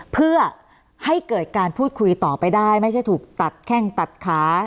เพื่อให้เกิดการพูดคุยต่อไปได้ไม่ใช่ถูกตัดแข้งตัดขา